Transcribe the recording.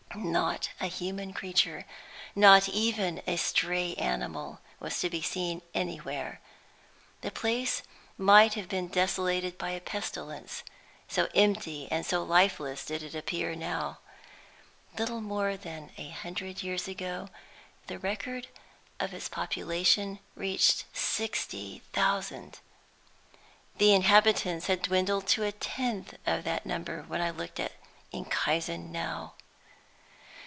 Not a human creature, not even a stray animal, was to be seen anywhere. The place might have been desolated by a pestilence, so empty and so lifeless did it now appear. Little more than a hundred years ago, the record of its population reached sixty thousand. The inhabitants had dwindled to a tenth of that number when I looked at Enkhuizen now!